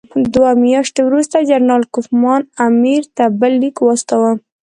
دوه میاشتې وروسته جنرال کوفمان امیر ته بل لیک واستاوه.